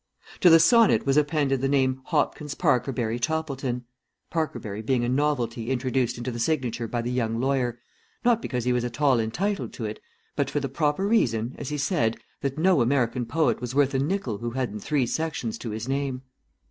To the sonnet was appended the name "Hopkins Parkerberry Toppleton;" Parkerberry being a novelty introduced into the signature by the young lawyer, not because he was at all entitled to it, but for the proper reason, as he said, that no American poet was worth a nickel who hadn't three sections to his name.